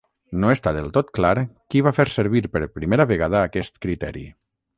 No està del tot clar qui va fer servir per primera vegada aquest criteri.